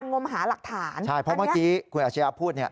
การงมหาหลักฐานอันเนี้ยใช่เพราะเมื่อกี้ครูแอร์เชียพพูดเนี่ย